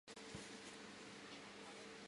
四月二十日又在康宁殿举行了会酌宴。